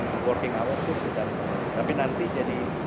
megapolitan sekarang masih empat belas an juta